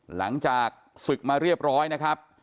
หลังจากศึกมาเรียบร้อยนะครับ